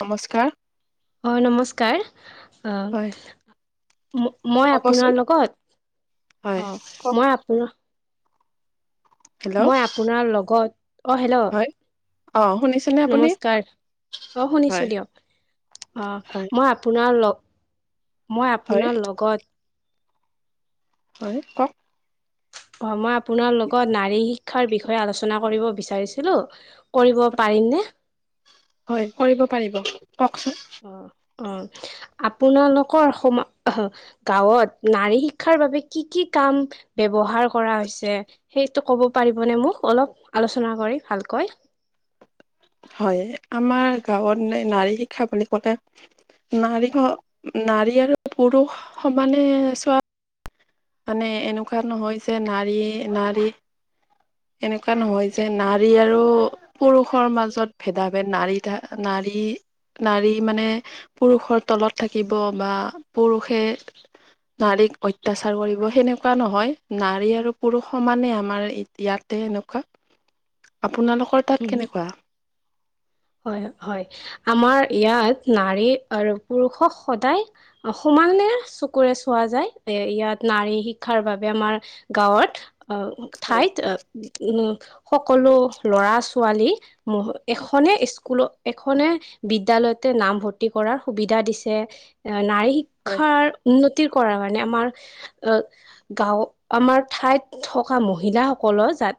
নমস্কাৰ। অ' নমস্কাৰ অ' হয় - - মই ক'বচোন আপোনাৰ লগত হয় অ কওক। মই আপোনাৰ। হেল্ল' মই আপোনাৰ লগত, অ 'হেল্ল' হয় অ শুনিছেনে আপুনি নমস্কাৰ অ' শুনিছো হয় দিয়ক, হয় অ' মই আপোনাৰ লগ মই হয় আপোনাৰ লগত হয় কওক। অ' মই আপোনাৰ লগত নাৰী শিক্ষাৰ বিষয়ে আলোচনা কৰিব বিচাৰিছিলো। কৰিব পাৰিমনে হয় কৰিব পাৰিব কওকচোন। অ অ আপোনালোকৰ সম গাঁৱত নাৰী শিক্ষাৰ বাবে কি কি কাম ব্যৱহাৰ কৰা হৈছে সেইটো ক'ব পাৰিবনেে মোক অলপ আলোচনা কৰি ভাল ক। হয় হয় আমাৰ গাঁৱত নাৰী শিক্ষা বুলি কলে নাৰী নাৰী আৰু পুৰুষ সমানে চোৱা মানে এনেকুৱা নহয় যে নাৰী নাৰী এনেকুৱা নহয় যে নাৰী আৰু পুৰুষৰ মাজত ভেদা ভেদ নাৰী নাৰী। উ নাৰী মানে পুৰুষৰ তলত থাকিব বা পুৰুষে। নাৰীক অত্যাচাৰ কৰিব সেনেকুৱা নহয় নাৰী আৰু পুৰুষ সমানে আমাৰ এতিয়াত। এনেকুৱা আপোনালোকৰ তাত উম কেনেকুৱা হয় হয় আমাৰ ইয়াত নাৰী আৰু পুৰুষক সদায় সমান চকুৰে চোৱা যায় এ ইয়াত নাৰী শিক্ষাৰ বাবে আমাৰ গাঁৱত। আহ হয় ঠাইত উ সকলো লৰা ছোৱালী এশ এখনে স্কুলত এখনে বিদ্যালয়তে নাম ভৰ্তি কৰাৰ সুবিধা দিছে। নাৰী হয়। শিক্ষাৰ উন্নতি তিৰ কৰা কাৰনে আমাৰ গাঁওত আমাৰ ঠাইত থকা মহিলাসকলৰ যাত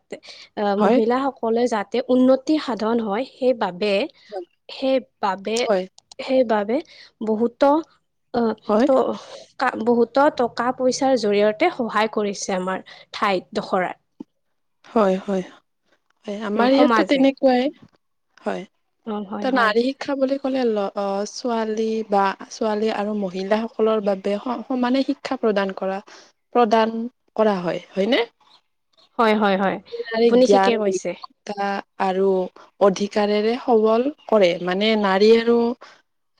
অ হয় মহিলাাসকলে যাতে উন্নতি সাধন হয় সেইবাবে বে সেইবাবে হয় সেইবাবে বহুতো অ ত হয় বহুতো টকা পইচাৰ জৰিয়তে সহায় কৰিছে আমাৰ ঠাইত দখৰাত হয় হয় উ আমাৰ ইয়াতও সমাজে তেনেকুৱাই হয় অ হয় ত হয় নাৰি শিক্ষা বুলি ক'লে অ লৰা ছোৱালী বা ছোৱালী আৰু মহিলাাসকলৰ বাবে স সমানে শিক্ষা প্ৰদান কৰা প্ৰদান কৰা হয় হয়নে হয় হয় হয় নাৰী আপুনি ঠিকে জ্ঞান কৈছে দক্ষতা আৰু অধিকাৰেৰে সবল কৰে মানে নাৰী আৰু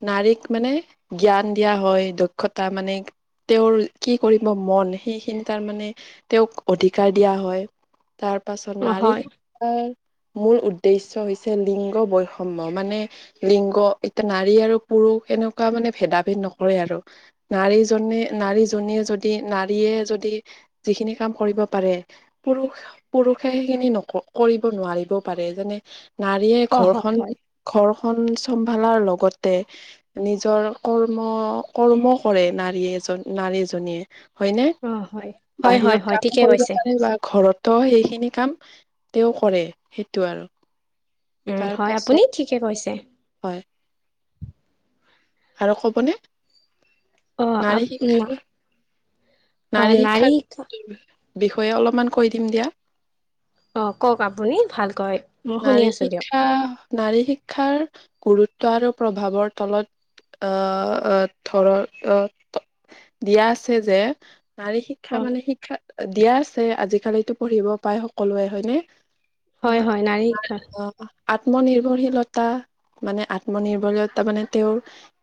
নাৰীক মানে জ্ঞান দিয়া হয় দক্ষতা মানে তেওঁৰ কি কৰিব মন সেইখিনি তাৰ মানে তেওঁক অধিকাৰ দিয়া হয় তাৰ পাছত অ নাৰী হয় শিক্ষাই মূল উদ্দেশ্য হৈছে লিংগ বৈষম্য মানে লিংগ এতিয়া নাৰী আৰু পুৰু পুৰু সেনেকুৱা মানে ভেদা ভেদ নকৰে আৰু নাৰীজননে নাৰীজনীয়ে যদি নাৰীয়ে যদি যিখিনি কাম কৰিব পাৰে পুৰুষ পুৰুষে সেইখিনি ন কৰিব নোৱাৰিবও পাৰে যেনে নাৰীয়ে অ হয় ঘৰখন হয় ঘৰ। খন চম্ভালাৰ লগতে নিজৰ কৰ্ম কৰ্ম কৰে নাৰীয়ে। নাৰীজনীয়ে। হয়নে অ হয় হয় হয় বাহিৰত হয় কাম ঠিকে কৰিব কৈছে পাৰে বা ঘৰতো সেই কাম তেওঁ কৰে সেইটো আৰু। ওম তাৰ হয় আপুনি পাছত ঠিকে কৈছে। হয় আৰু ক'বনে? অ আপ নাৰী শিক্ষাৰ অ নাৰী শিক্ষাৰ। শিক্ষা বিষয়ে অলপমান কৈ দিম দিয়া। অ কওক আপুনি ভালকৈ। মই শুনি নাৰী আছো দিয়ক শিক্ষা, নাৰী শিক্ষাৰ গুৰুত্ব আৰু প্ৰভাৱৰ তলত অহ অ ধৰ অহ ত দিয়া আছে যে নাৰী অ শিক্ষা মানে শিক্ষাত দিয়া আছে। আজিকালিতো পঢ়িব পাই সকলোৱে হয়নে? হয়, হয়, নাৰী শিক্ষা অ আত্ম নিৰ্ভৰশীলতা মানে আত্মনিৰ্ভৰশীলতা মানে তেওঁৰ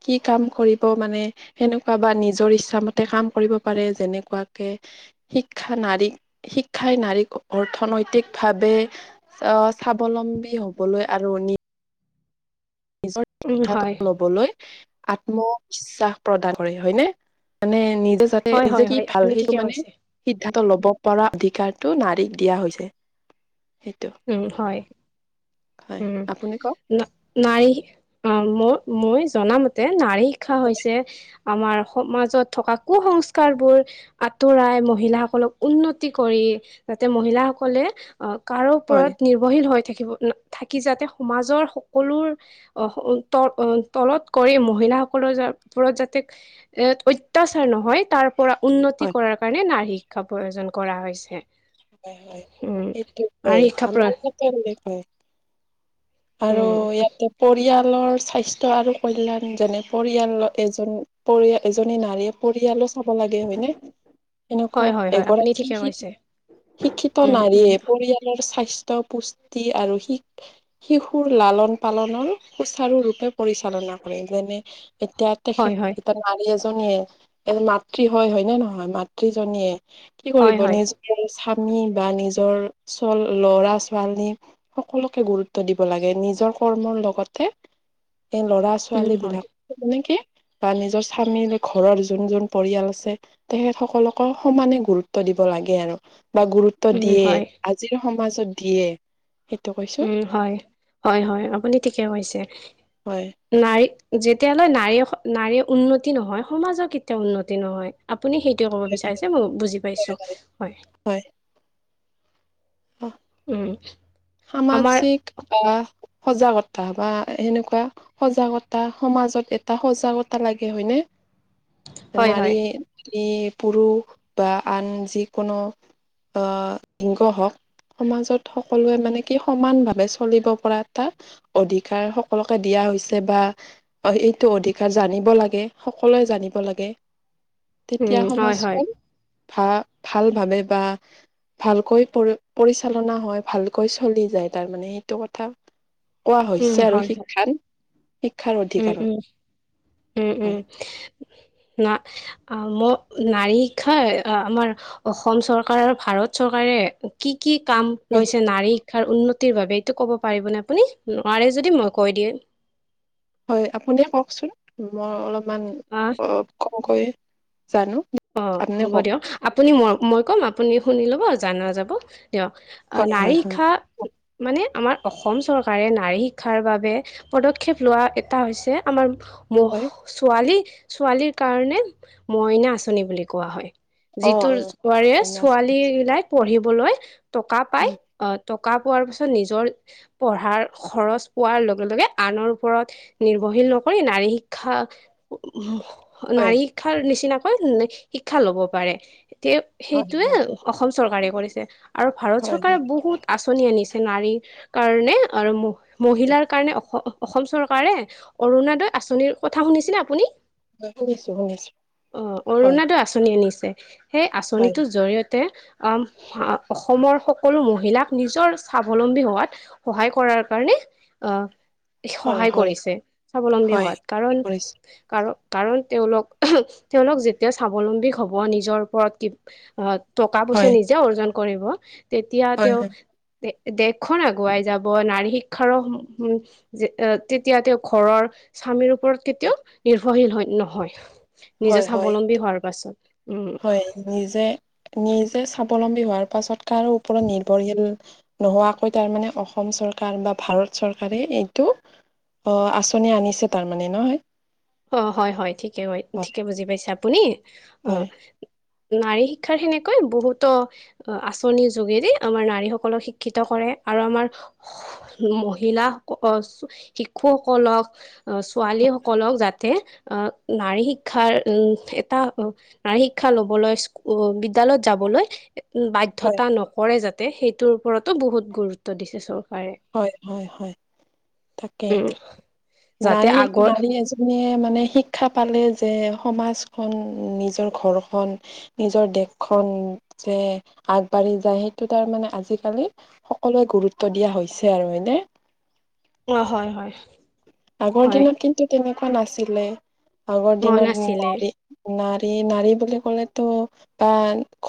কি কাম কৰিব মানে সেনেকুৱা বা নিজৰ ইচ্ছামতে কাম কৰিব পাৰে যেনেকুৱাকে শিক্ষা নাৰীক, শিক্ষাই নাৰীক অৰ্থনৈতিকভাৱে আহ স্বাৱলম্বী হবলৈ আৰু নি উম নিজৰ হয় লবলৈ আত্মবিশ্বাস প্ৰদান কৰে হয়নে? মানে নি যাতে হয় হয় নিজে কি হয় ভাল আপুনি ঠিকে সেইটো মানে কৈছে সিদ্ধান্ত লব পৰা অধিকাৰ টো নাৰীক দিয়া হৈছে। সেইটো উম হয় হয় উম আপুনি কওক না নাৰী শি অ মই, মই জনামতে নাৰী শিক্ষা হৈছে আমাৰ সমাজত থকা ক কুসংস্কাৰবোৰ আঁতৰাই মহিলাসকলক উন্নতি কৰি, যাতে মহিলাসকলে অ কাৰো হয় ওপৰত নিৰ্ভৰশীল হৈ থাক থাকি যাতে সমাজৰ সকলোৰ আ ত তলত কৰে সকলৰ ওপৰত যাতে এ অত্যাচাৰ নহয় তাৰ পৰা উন্নতি হয়। কৰাৰ কাৰণে নাৰী শিক্ষাৰ প্ৰয়োজন কৰা হৈছে। হয়, হয়, উম সেইটো নাৰী হয়, শিক্ষা প্ৰ আমাৰ আৰু উম ইয়াতে পৰিয়াল পৰিয়ালৰ স্বাস্থ্য আৰু কল্যাণ যেনে পৰিয়ালৰ এজন পৰি, এজনী নাৰীয়ে পৰিয়ালৰ হ'ব লাগে হয়নে? এনেকুৱা হয় হয় হয় আপুনি এগৰাকী ঠিকে শি কৈছে শিক্ষিত উম, উম, নাৰীয়ে পৰিয়ালৰ স্বাস ত পুষ্টি আৰু শি শিশুৰ লালন পালনৰ সুচাৰুৰূপে পৰিচালনা কৰে, যেনে এতিয়া হয়, তেখেত হয়, এতিয়া নাৰী এ এজনীয়ে মাতৃ হয়, হয় নে নহয় মাতৃজনীয়ে কি হয়, কৰিব হয়, নিজৰ নি বা নিজৰ চল ল'ৰা-ছোৱালী সকলোকে গুৰুত গুৰুত্ব দিব লাগে, নিজৰ কৰ্মৰ লগতে এই উম, ল'ৰা-ছোৱালী হয়, বিলাক তেনেকে বা নিজৰ স্বামীৰ ঘৰৰ যোন যোন পৰিয়াল আছে। তেখেত সকলক সমানে গুৰুত্ব দি ব লাগে আৰু বা গুৰুত্ব উম, দিয়ে, হয়, আজিৰ সমাজত দিয়ে। সেইটো কৈছো উম, হয়, হয়, হয় আপুনি ঠিকে কৈছে। হয় না যেতিয়ালৈ নাৰী, নাৰী উন্নতি নহয় সমাজৰ কেতিয়াও উন্নতি নহয়। আপুনি সেইটোয়ে কব বিচাৰিছে মই বুজি পাইছোঁ। হয় উম। সামাজ আমাৰ চিক আ সজাগতা বা সেনেকুৱা সজাগতা সমাজত এটা সজাগতা লাগে, হয়নে? হয়, নাৰী হয়, ই পুৰষ বা আন যিকোনো আহ শিংগ হওক, সমাজত সকলোৱে মানে কি সমানভাৱে চলিব পৰা এটা অধিকাৰ সকলোকে দিয়া হৈছে বা অশি এইটো অধিকাৰ জানিব লাগে, সকলোৱে জানিব লাগে। [inaudible] তেতিয়া হয়, হয়, সমাজখন ভা ভাল ভাবে বা ভালকৈ পৰি পৰিচালনা হয় ভালকৈ চলি যায় তাৰমানে সেইটো কথা কোৱা উম, হৈছে আৰু হয়, হয়, শিক্ষা উম, উম, উম, হয় উম, না আ ম, নাৰী শিক্ষাই আমাৰ অসম চৰকাৰ আৰু ভাৰত চৰকাৰে কি কি কাম হয় লৈছে নাৰীক তাৰ উন্নতিৰ বাবে এইটো ক'ব পাৰিবনে আপুনি নোৱাৰে যদি মই কৈ দিয়ে হয় আপুনিয়ে কওকচোন মই অলপমান আহ ক কমকৈয়ে অ হ'ব দিয়ক আপুনি মই মই ক'ম আপুনি শুনি লব জানা যাব দিয়ক হয় হয় নাৰী হয় শিখা মানে আমাৰ অসম চৰকাৰে নাৰী শিক্ষাৰ বাবে পদক্ষেপ লোৱা এটা হৈছে আমাৰ ম হয় ছোৱালী ছোৱালীৰ কাৰণে মইনা আঁচনি বুলি কোৱা হয় অ যিটো বোৱাৰীয়ে অ ছোৱালী বিলাক পঢ়িবলৈ টকা পাই উম, অ টকা পোৱাৰ পিছত নিজৰ পঢ়াৰ খৰচ পোৱাৰ লগে লগে আনৰ ওপৰত নিৰ্ভৰ নকৰি নাৰী শিক্ষা উ হয়, নাৰী শিক্ষাৰ নিচিনাকৈ শিক্ষা লব পাৰে তে হয়, সেইটয়ে হয়, অসম চৰকাৰে কৰিছে আৰু ভাৰত হয়, চৰকাৰে হয়, বহুত আঁচনি আনিছে নাৰীৰ কাৰণে আৰু হয়, মহিলাৰ কাৰণে অসম অসম চৰকাৰে অৰুণদয় আঁচনিৰ কথা শুনিছিলনে আপুনি? শুনিছো শুনিছো। অ অৰুণাদয় আঁচনি আনিছে সেই হয়, আঁচনিটোৰ জৰিয়তে অসমৰ সকলো মহিলাক নিজৰ স্বাৱলম্বী হোৱাত সহায় কৰা তাৰ কাৰণে অ হয়, সহায় হয়, কৰিছে স্বাৱলম্বী হয়, হোৱাত কাৰণ কৰিছোঁ, কাৰ কাৰণ তেওঁলোক তেওঁলোক যেতিয়া স্বাৱলম্বী হব নিজৰ ওপৰত কি আহ টকা পইচা হয়, নিজে অৰ্জন কৰিব তেতিয়া হয়, তেওঁ হয়, খখন আগুৱাই যাব নাৰী শিক্ষাৰ তেতিয়া তেওঁ ঘৰৰ স্বামীৰ ওপৰত হয়, কেতিয়াও নিৰ্ভৰশীল হয় নহয় নিজৰ হয়, হয়, স্বাৱলম্বী হোৱাৰ পাছত। উম হয় নিযে নিজে স্বাৱলম্বী হোৱাৰ পাছত কাৰো ওপৰত নিৰ্ভৰশীল নোহোৱাকৈ তাৰমানানে অসম চৰকাৰ চৰকাৰ বা ভাৰত চৰকাৰে এইটো আঁচনি আনিছে তাৰমানানে নহয় অঁ, হয় হয় ঠিকে হয় ঠিকে বুজি পাইছে আপুনি অ। হয়, নাৰী শিক্ষাৰ সেনেকৈ বহুতো আঁচনিৰ যোগেদি আমাৰ নাৰী সকলক শিক্ষিত কৰে। আৰু আমাৰ মহিলা শিশুসকলক ছ হয়, আালীসকলক যাত নাৰী শিক্ষাৰ উ এটা নাৰী শিক্ষা লবলৈ বিদ্যালয় যাবলৈ হয়, বাধ্য়তা নকৰে যাতে সেইটোৰ ওপৰতো বহুত গুৰুত্ব দিছে চ হয় হয় হয় তাকে। উম যাতে নাৰী আগৰ নাৰী আজি মানে শিক্ষা পালে যে সমাজখন নিজৰ ঘৰখন নিজৰ দেশ যে আগবাঢ়ি যায় সেইটো তাৰ মানে আজিকালি সকলোৱে গুৰুত্ব দিয়া এ হৈছে আৰু এনে। অ হয় হয় আগৰ হয় দিনত কিন্তু তেনেকুৱা নাছিলে আগৰ অ দিনত নাছিলে নাৰী নাৰী নাৰী বুলি ক'লেতো বা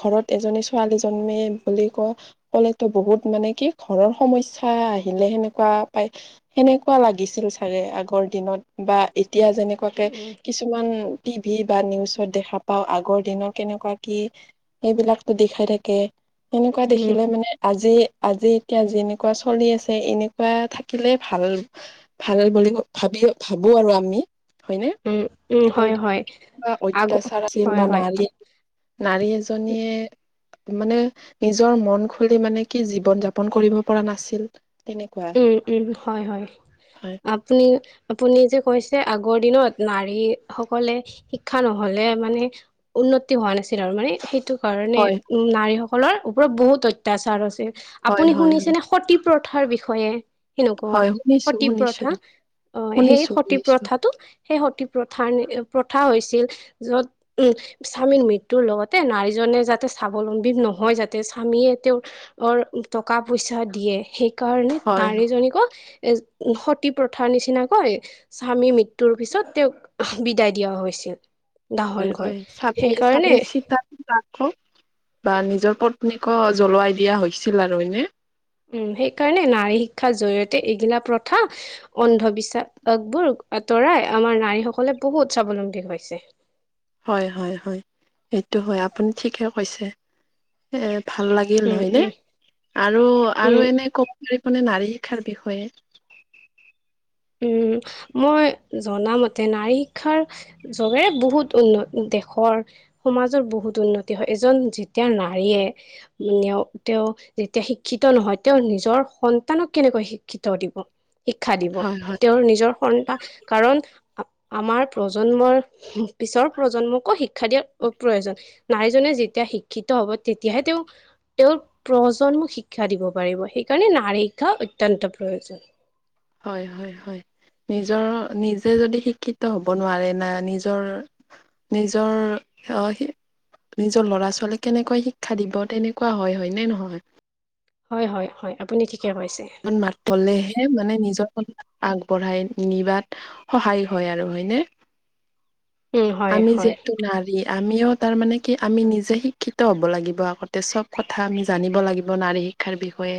ঘৰত এজনী ছোৱালী জন্মে বুলি ক কলেতো বহুত মানে কি ঘৰৰ সমস্যা আহিলে সেনেকুৱা পাই সেনেকুৱা লাগিছে আছিল চাগে আগৰ দিনত বা এতিয়া যেনেকুৱাকে উম কিছুমান টিভি বা নিউজত দেখা পাও আগৰ দিনৰত কেনেকুৱা কি সেইবিলাকো দেখাই থাকে সেনেকুৱা উম উম দেখিলে মানে আজি আজি এতিয়া যেনেকুৱা চলি আছে এনেকুৱা থাকিলে ভাল ভাল বুলি ভাবি ভাবো আৰু আমি হয়নে উম উম হয় হয় আগ অত্যাচাৰ আছিল হয় বা হয় নাৰী নাৰী এজনীয়ে। মানে নিজৰ মন খুলি মানে কি জীৱন যাপন কৰিব পৰা নাছিল তেনেকুৱা উম উম হয় হয় হয় আপুনি আপুনি যে কৈছে, আগৰ দিনত নাৰী সকলে শিক্ষা নহলে মানে উন্নতি হোৱা নাছিল আৰু মানে সেইটো কাৰণে হয় ওম নাৰীসকলৰ ওপৰত বহুত অত্যাচাৰ হৈছে। হয় আপুনি হয় হয় শুনিছেনে? সতী প্ৰথাৰ বিষয়ে। সেনেকুৱা, হয় শুনিছো সতী শুনিছো প্ৰথা অ', সেই শুনিছো সতী শুনিছো প্ৰথাটো সেই সতী প্ৰথাৰ প্ৰথা হৈছিল। যত উম স্বামীৰ মৃত্যুৰ লগতে নাৰীজন মানে যাতে স্বাৱলম্বী নহয় যাতে স্বামীয়ে তেওঁৰ অৰ টকা পইচা দিয়ে। সেইকাৰণে হয় তাৰিজনীক। এ সতী প্ৰথাৰ নিচিনাকৈ স্বামী মৃত্যুৰ পিছত তেওঁক বিদায় দিয়া হৈছে। [unintelligible] হয়- হয় [unintelligible] বা নিজৰ পত্নীকো জ্বলোৱাই দিয়া হৈছিল আৰু হয়নে? উম সেইকাৰণে নাৰী শিক্ষাৰ জৰিয়তে এইগিলা প্ৰথা অন্ধবিশ্বাসবোৰ আঁ তৰাই আমাৰ নাৰীসকলে বহুত স্বাৱলম্বী হৈছে। হয়-হয়-হয় সেইটো হয়, আপুনি ঠিকে কৈছে এ ভাল লাগিল উম হয়নে উম আৰু উম আৰু এনে ক মানে নাৰী শিক্ষাৰ বিষয়ে উম মই জনা মতে নাৰী শিক্ষাৰ ছবে বহুত উন্নতি। দেশৰ সমাজৰ বহুত উন্নতি হয়। এজন যেতিয়া নাৰীয়ে তেওঁ যেতিয়া শিক্ষিত নহয়, তেওঁ নিজৰ সন্তানক কেনেকৈ শিক্ষিত দিব। শিক্ষা দিব। হয় হয় তেওঁৰ নিজৰ সন্তান কাৰণ আমাৰ প্ৰজন্মৰ পিছৰ প্ৰজন্মকো শিক্ষা দিয়াৰ হয় খুব প্ৰয়োজন। নাৰীজনে যেতিয়া শিক্ষিত হ'ব। তেতিয়াহে তেওঁ তেওঁৰ প্ৰজন্মক শিক্ষা দিব পাৰিব। সেইকাৰণে নাৰিকা অতয়ন্ত প্ৰয়োজন। হয়-হয়-হয় নিজৰ নিজে যদি শিক্ষিত হ'ব নোৱাৰে না নিজৰ নিজৰ অহ সি [unintelligible] নিজৰ ল'ৰা ছোৱালীক কেনেকৈ শিক্ষা দিব তেনেকুৱা হয় মানে হয়-হয়-হয় আপুনি ঠিকে কৈছে [unintelligible] মাত পলে [unintelligible] মানে নিজৰ কথা আগবঢ়াই নিবাত সহায় হয় আৰু হয়নে? উম, হয়, আমি হয়। যিহেতু নাৰী আমিও তাৰ মানে কি আমি নিজে শিক্ষিত হ'ব লাগিব আগতে চব কথা আমি জানিব লাগিব নাৰী শিক্ষাৰ বিষয়ে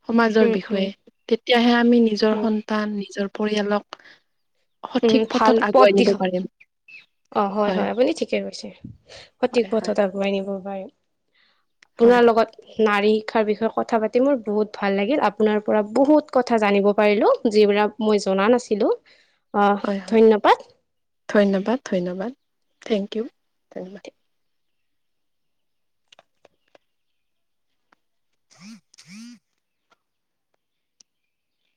হয়। সমাজৰ উম, উম, বিষয়ে তেতিয়াহে আমি নিজৰ উম, সন্তান নিজৰ পৰিয়ালক উম, সঠিক ভাল পথত পথ আগুৱাই নিব দিশা পাৰিম। অ', হয়- হয় আপুনি ঠিকে কৈছে সঠিক হয় হয় পথত আগুৱাই নিব পাৰে। আপোনাৰ হয় লগত নাৰী শিক্ষাৰ বিষয়ে কথা পাতি মোৰ বহুত ভাল লাগিল, আপোনাৰ পৰা বহুত কথা জানিব পাৰিলো। যিবিলাক মই জনা নাছিলো, অ হয় হয়। ধন্যবাদ। ধন্যবাদ ধন্যবাদ থেংক ইউ, ধন্যবাদ [unintelligible]